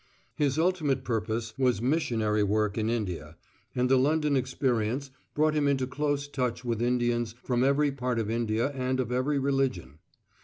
His ultimate purpose was missionary work in India, and the London experience brought him into close touch with Indians from every part of India and of every religion.